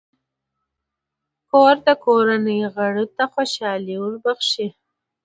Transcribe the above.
کور د کورنۍ غړو ته خوشحالي بښي.